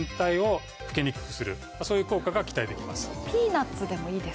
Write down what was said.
そういう効果が期待できます。